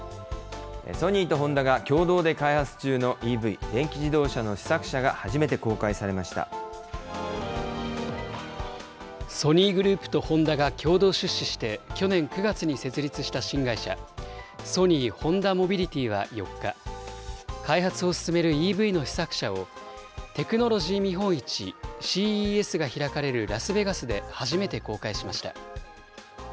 ソニーとホンダが共同で開発中のＥＶ・電気自動車の試作車がソニーグループとホンダが共同出資して去年９月に設立した新会社、ソニー・ホンダモビリティは４日、開発を進めるＥＶの試作車を、テクノロジー見本市ＣＥＳが開かれるラスベガスで初めて公開しました。